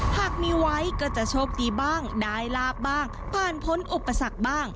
หากมีไว้ก็จะโชคดีบ้างได้ลาบบ้างผ่านพ้นอุปสรรคบ้าง